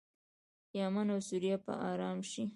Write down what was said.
یمن او سوریه به ارام شي.